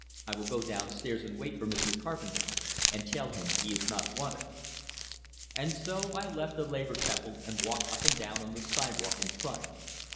I will go downstairs and wait for Mr. Carpenter, and tell him he is not wanted." And so I left the Labor Temple and walked up and down on the sidewalk in front.